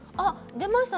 出ました。